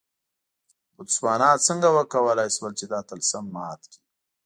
بوتسوانا څنګه وکولای شول چې دا طلسم مات کړي.